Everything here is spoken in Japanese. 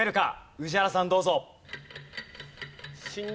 宇治原さんどうぞ。